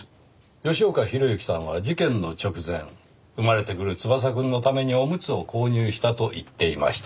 吉岡博幸さんは事件の直前生まれてくる翼くんのためにオムツを購入したと言っていました。